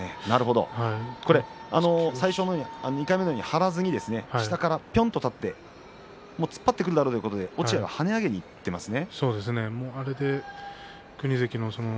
張らずに下からぴょんと取って突っ張ってくるだろうということで落合は跳ね上げにいっていますね。